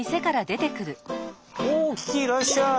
おおキキいらっしゃい！